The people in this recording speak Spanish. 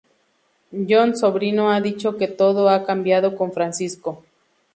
Jon Sobrino ha dicho que "todo ha cambiado con Francisco".